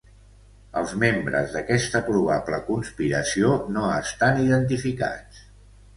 Els membres d'aquesta probable conspiració no estan identificats.